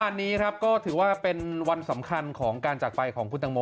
วันนี้ครับก็ถือว่าเป็นวันสำคัญของการจากไปของคุณตังโม